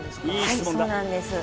はいそうなんです